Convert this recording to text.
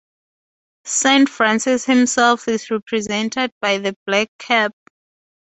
Saint Francis himself is represented by the blackcap.